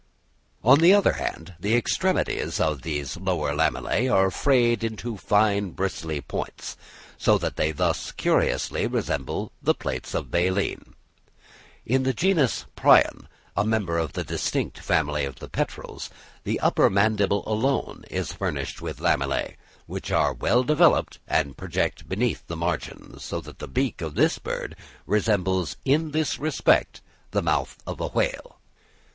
On the other hand, the extremities of these lower lamellæ are frayed into fine bristly points, so that they thus curiously resemble the plates of baleen. In the genus Prion, a member of the distinct family of the Petrels, the upper mandible alone is furnished with lamellæ, which are well developed and project beneath the margin; so that the beak of this bird resembles in this respect the mouth of a whale.